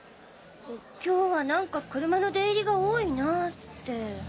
今日は何か車の出入りが多いなぁって。